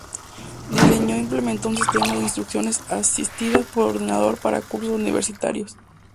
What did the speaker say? Diseñó e implementó un sistema de instrucción asistida por ordenador para cursos universitarios.